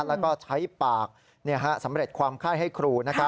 แล้วก็ใช้ปากสำเร็จความไข้ให้ครู